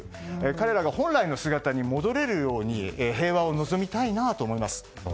彼らが本来の姿に戻れるように平和を望みたいと思います。